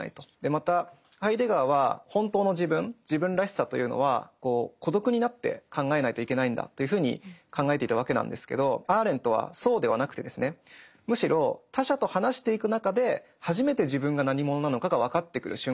またハイデガーは本当の自分自分らしさというのは孤独になって考えないといけないんだというふうに考えていたわけなんですけどアーレントはそうではなくてですねむしろというふうに言うわけですね。